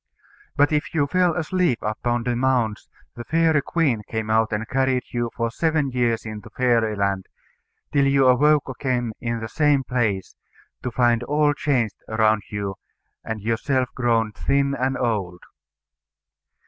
But if you fell asleep upon the mounds, the fairy queen came out and carried you for seven years into Fairyland, till you awoke again in the same place, to find all changed around you, and yourself grown thin and old.